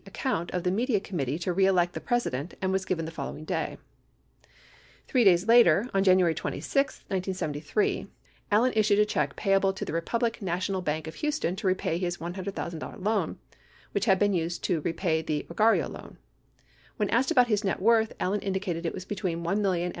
521 account of the Media Committee to Re Elect the President and was given the following day. Three days later, on January 26, 1973, Allen issued a check payable to the Republic National Bank of Houston to repay his $100,000 loan, which had been used to repay the Ogarrio loan. When asked about his net worth. Allen indicated it was between $1 million and $1.